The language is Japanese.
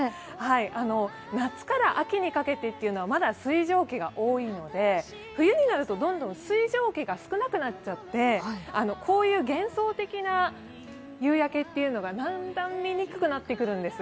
夏から秋にかけてまだ水蒸気が多いので、冬になると、どんどん水蒸気が少なくなっちゃって、こういう幻想的な夕焼けがだんだん見えにくくなってくるんです。